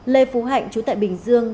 lê phú hạnh chú tại bình dương